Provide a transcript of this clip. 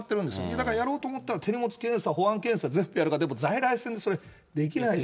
だからやろうと思ったら、手荷物検査、保安検査、全部やるかというと、でも在来線でそれ、できないでしょ。